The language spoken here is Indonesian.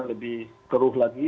lebih keruh lagi